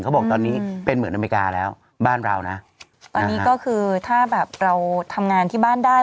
เขาบอกตอนนี้เป็นเหมือนอเมริกาแล้วบ้านเรานะตอนนี้ก็คือถ้าแบบเราทำงานที่บ้านได้